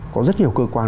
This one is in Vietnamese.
có rất nhiều cơ quan